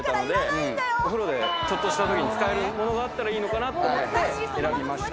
お風呂でちょっとしたときに使えるものがあったらいいのかなって思って選びました。